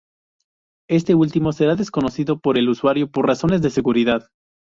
Este último será desconocido por el usuario por razones de seguridad.